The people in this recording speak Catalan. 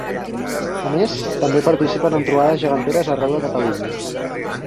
A més, també participen en trobades geganteres arreu de Catalunya.